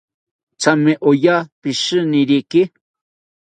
Thame oya pishiniriki